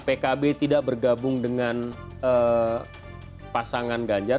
pkb tidak bergabung dengan pasangan ganjar